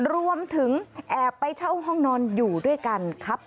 รวมถึงแอบไปเช่าห้องนอนอยู่ด้วยกันครับ